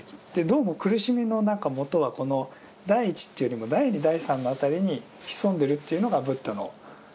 どうも苦しみのもとは第一っていうよりも第二第三の辺りに潜んでるっていうのがブッダの。